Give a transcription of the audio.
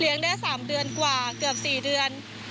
ได้๓เดือนกว่าเกือบ๔เดือน